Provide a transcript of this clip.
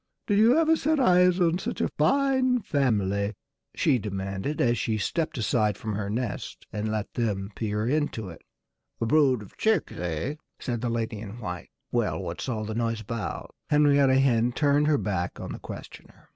"Did you ever set eyes on such a fine family?" she demanded as she stepped aside from her nest and let them peer into it. "A brood of chicks eh?" said the lady in white. "Well, what's all the noise about?" Henrietta Hen turned her back on her questioner.